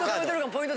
ポイント